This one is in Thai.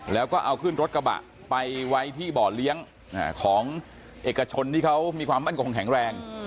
แล้วก็เอาขึ้นรถกระบะไปไว้ที่บ่อเลี้ยงของเอกชนที่เขามีความมั่นคงแข็งแรง